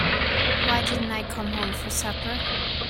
Why didn't I come home for supper?